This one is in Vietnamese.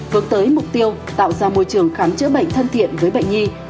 hướng tới mục tiêu tạo ra môi trường khám chữa bệnh thân thiện với bệnh nhi